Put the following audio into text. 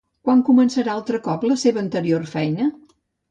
Quan començarà altre cop la seva anterior feina?